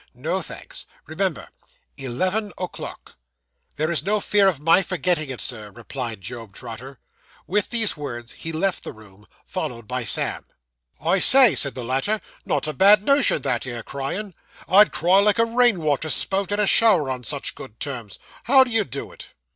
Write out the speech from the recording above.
No thanks. Remember eleven o'clock.' 'There is no fear of my forgetting it, sir,' replied Job Trotter. With these words he left the room, followed by Sam. 'I say,' said the latter, 'not a bad notion that 'ere crying. I'd cry like a rain water spout in a shower on such good terms. How do you do it?